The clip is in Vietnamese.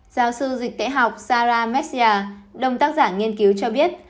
giáo sư dịch tễ học sarah messier đồng tác giả nghiên cứu cho biết